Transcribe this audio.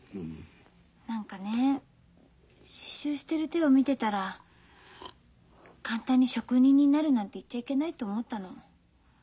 何かね刺繍してる手を見てたら簡単に職人になるなんて言っちゃいけないと思ったの。